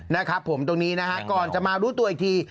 นะครับผมตรงนี้นะฮะก่อนจะมารู้ตัวอีกที